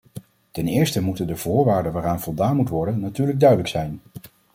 Ten eerste moeten de voorwaarden waaraan voldaan moet worden natuurlijk duidelijk zijn.